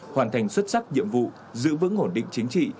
hoàn thành xuất sắc nhiệm vụ giữ vững ổn định chính trị